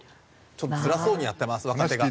ちょっとつらそうにやってます若手が。